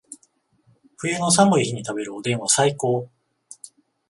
冬の寒い日に食べるおでんは最高